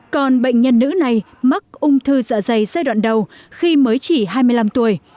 còn bệnh nhân nữ này mắc ung thư dạ dày giai đoạn đầu khi mới chỉ hai mươi năm tuổi